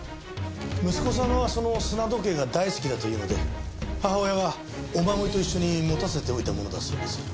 息子さんがその砂時計が大好きだというので母親がお守りと一緒に持たせておいたものだそうです。